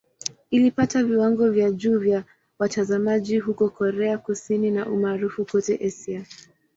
Ilipata viwango vya juu vya watazamaji huko Korea Kusini na umaarufu kote Asia.